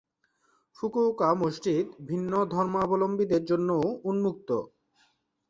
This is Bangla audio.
ফুকুওকা মসজিদ ভিন্ন ধর্মাবলম্বীদের জন্যও উন্মুক্ত।